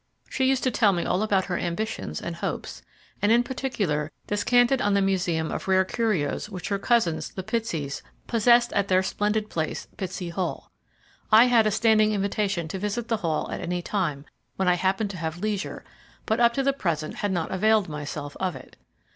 She used to tell me all about her ambitions and hopes, and in particular descanted on the museum of rare curios which her cousins, the Pitseys, possessed at their splendid place, Pitsey Hall. I had a standing invitation to visit the Hall at any time when I happened to have leisure, but up to the present had not availed myself of it.